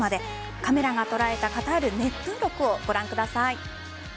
カメラが捉えたカタール熱風録をご覧ください。